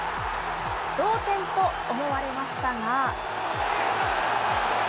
同点と思われましたが。